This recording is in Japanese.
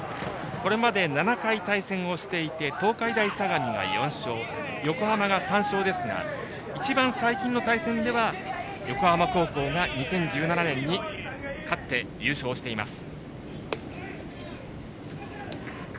これまで７回対戦をしていて東海大相模が４勝横浜が３勝ですが一番最近の対戦では横浜高校が２０１７年に勝って優勝しています。